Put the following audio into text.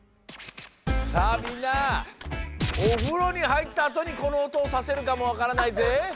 さあみんなおふろにはいったあとにこのおとをさせるかもわからないぜ。